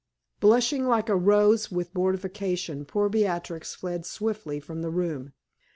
Blushing like a rose with mortification, poor Beatrix fled swiftly from the room.